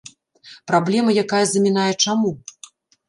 Праблема, якая замінае чаму?